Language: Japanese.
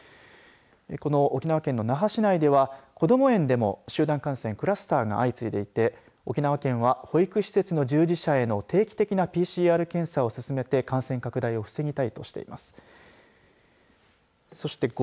この沖縄県の那覇市内ではこども園でも集団感染クラスターが相次いでいて沖縄県は保育施設の従事者への定期的なＰＣＲ検査を進めて感染拡大を防ぎたいとしています。